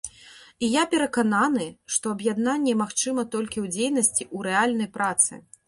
І я перакананы, што аб'яднанне магчыма толькі ў дзейнасці, у рэальнай працы.